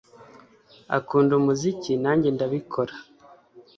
Akunda umuziki Nanjye ndabikora